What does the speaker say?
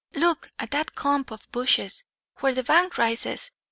Look at that clump of bushes, where the bank rises.